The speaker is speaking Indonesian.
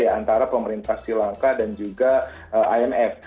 antara pemerintah sri lanka dan juga imf